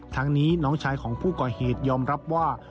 ทั้งนี้น้องชายของผู้ก่อเหตุยอมรับว่า